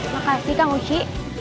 makasih kang wushi